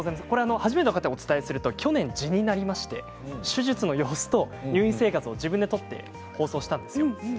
初めて、お伝えすると去年、じになりまして手術の様子入院生活を自分で撮って放送したんです。